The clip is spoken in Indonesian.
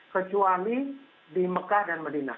kecuali di mekah dan medina